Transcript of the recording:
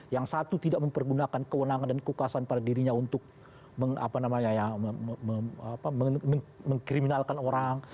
yang satu tidak mempergunakan kewenangan dan kukasan pada dirinya untuk mengkriminalkan orang